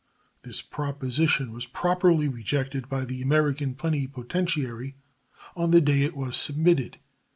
This proposition was properly rejected by the American plenipotentiary on the day it was submitted.